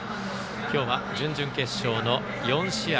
今日は準々決勝の４試合。